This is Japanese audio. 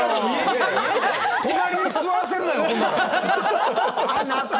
隣に座らせるなよ。